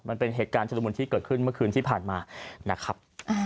มันเป็นเหตุการณ์ชุดละมุนที่เกิดขึ้นเมื่อคืนที่ผ่านมานะครับ